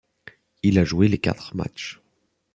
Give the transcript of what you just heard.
Il a joué les quatre matchs.